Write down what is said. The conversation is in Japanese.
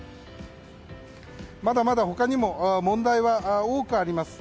まだまだ他にも問題は多くあります。